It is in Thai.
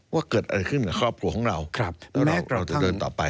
ว่าเกิดอะไรขึ้นกับครอบครัวของเราแล้วเราจะเดินต่อไป